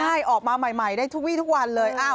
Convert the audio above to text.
ใช่ออกมาใหม่ได้ทุกวีทุกวันเลย